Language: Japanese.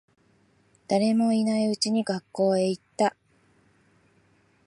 誰もいないうちに学校へ行った。